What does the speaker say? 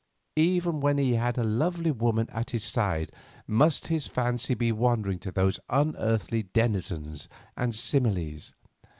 Even when he had a lovely woman at his side must his fancy be wandering to these unearthly denizens and similes.